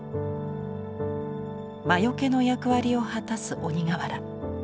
魔よけの役割を果たす鬼瓦。